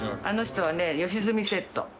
あの人はね良純セット。